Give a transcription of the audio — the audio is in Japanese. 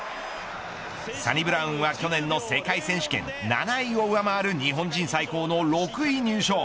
サニブラウンは去年の世界選手権７位を上回る日本人最高の６位入賞。